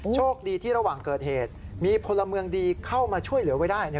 โชคดีที่ระหว่างเกิดเหตุมีพลเมืองดีเข้ามาช่วยเหลือไว้ได้